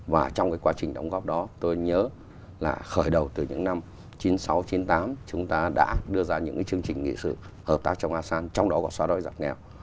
và trong cái quá trình đóng góp đó tôi nhớ là khởi đầu từ những năm chín mươi sáu chín mươi tám chúng ta đã đưa ra những cái chương trình nghị sự hợp tác trong asean trong đó có xóa đôi giặc nghèo